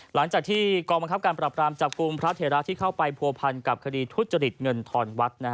หลังจากที่กองบังคับการปรับรามจับกลุ่มพระเถระที่เข้าไปผัวพันกับคดีทุจริตเงินทอนวัด